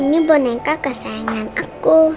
ini bonenka kesayangan aku